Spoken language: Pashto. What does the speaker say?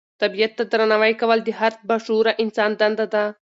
طبیعت ته درناوی کول د هر با شعوره انسان دنده ده.